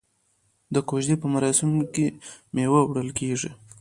د کوژدې په مراسمو کې میوه وړل کیږي.